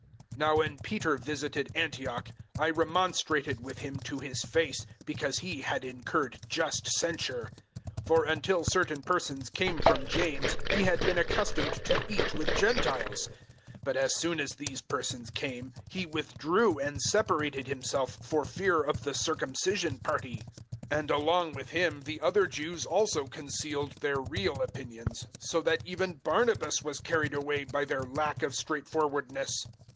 002:011 Now when Peter visited Antioch, I remonstrated with him to his face, because he had incurred just censure. 002:012 For until certain persons came from James he had been accustomed to eat with Gentiles; but as soon as these persons came, he withdrew and separated himself for fear of the Circumcision party. 002:013 And along with him the other Jews also concealed their real opinions, so that even Barnabas was carried away by their lack of straightforwardness.